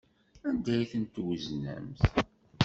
Anda ay ten-tweznemt?